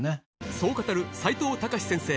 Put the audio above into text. そう語る齋藤孝先生